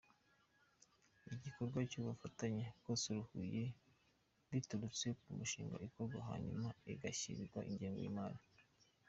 Ibikorwa by’Ubufatanye Castre-Huye bituruka ku mishinga ikorwa hanyuma igashakirwa ingengo y’Imari.